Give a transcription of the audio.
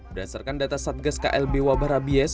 berdasarkan data satgas klb wabah rabies